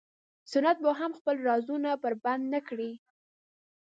سنت به هم خپل رازونه بربنډ نه کړي.